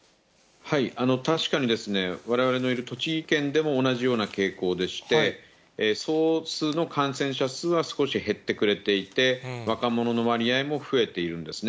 確かにわれわれのいる栃木県でも同じような傾向でして、総数の感染者数は少し減ってくれていて、若者の割合も増えているんですね。